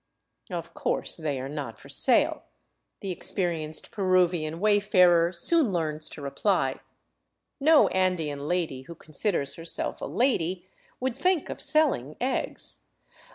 '' Of course they are not for sale," the experienced Peruvian wayfarer soon learns to reply, No Andean lady who considers her self a lady would think of selling eggs.